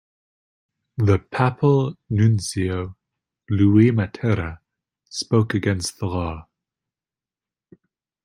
The Papal Nuncio, Luis Mattera, spoke against the law.